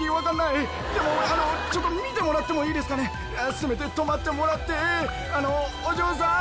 せめて止まってもらってあのお嬢さん！